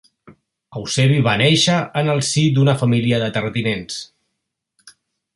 Eusebi va néixer en el si d'una família de terratinents.